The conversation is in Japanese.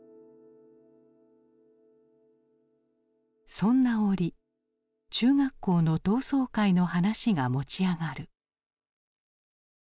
そんな折中学校の同窓会の話が持ち上がる。